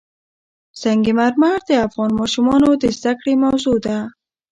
سنگ مرمر د افغان ماشومانو د زده کړې موضوع ده.